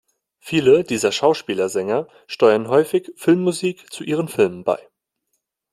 Viele dieser Schauspieler-Sänger steuern häufig Filmmusik zu ihren Filmen bei.